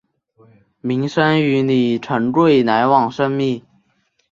明升与李成桂来往甚密。